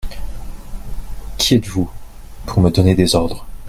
Qui êtes-vous pour me donner des ordres ?